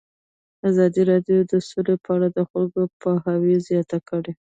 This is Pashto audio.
ازادي راډیو د سوله په اړه د خلکو پوهاوی زیات کړی.